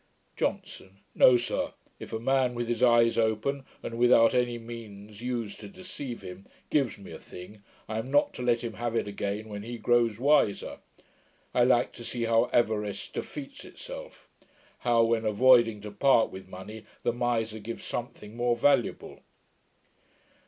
JOHNSON. 'No, sir. If a man with his eyes open, and without any means used to deceive him, gives me a thing, I am not to let him have it again when he grows wiser. I like to see how avarice defeats itself; how, when avoiding to part with money, the miser gives something more valuable.'